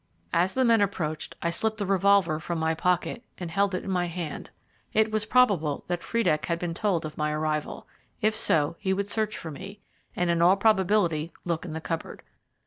As the men approached, I slipped the revolver from my pocket and held it in my hand. It was probable that Friedeck had been told of my arrival. If so, he would search for me, and in all probability look in the cupboard.